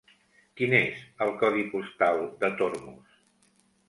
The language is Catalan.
Quin és el codi postal de Tormos?